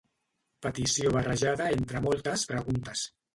Petició barrejada entre moltes preguntes.